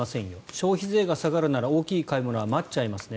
消費税が下がるなら大きい買い物は待っちゃいますね